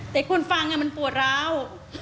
แต่คุณฟังมันปวดร้าว